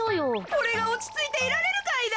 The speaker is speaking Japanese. これがおちついていられるかいな。